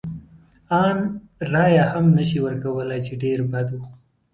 ان رایه هم نه شي ورکولای، چې ډېر بد و.